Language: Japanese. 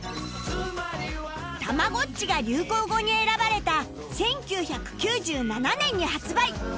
たまごっちが流行語に選ばれた１９９７年に発売